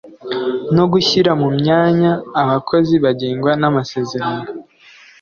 no gushyira mu myanya abakozi bagengwa n’amasezerano